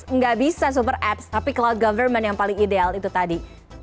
nggak bisa super apps tapi cloud government yang paling ideal itu tadi